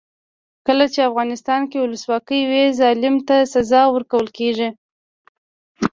کله چې افغانستان کې ولسواکي وي ظالم ته سزا ورکول کیږي.